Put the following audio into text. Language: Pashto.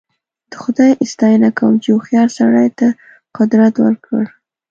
د خدای ستاینه کوم چې هوښیار سړي ته قدرت ورکړ.